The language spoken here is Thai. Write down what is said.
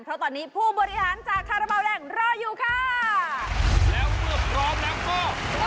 เพราะตอนนี้ผู้บริหารจากคาราบาลแดงรออยู่ค่ะแล้วเมื่อพร้อมแล้วก็